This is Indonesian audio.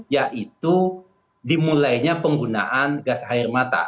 yaitu dimulainya penggunaan gas air mata